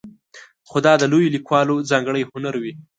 خو دا د لویو لیکوالو ځانګړی هنر وي.